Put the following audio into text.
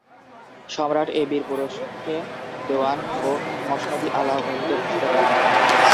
সম্রাট এ বীর পুরুষকে দেওয়ান ও মসনদ-ই-আলা উপাধিতে ভূষিত করেন।